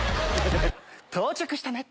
到着したね！